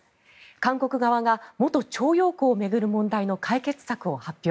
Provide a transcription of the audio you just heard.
韓国側が元徴用工を巡る問題の解決策を発表。